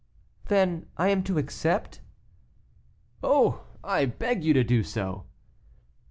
"Then I am to accept?" "Oh! I beg you to do so."